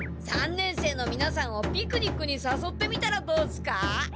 三年生のみなさんをピクニックにさそってみたらどうっすか？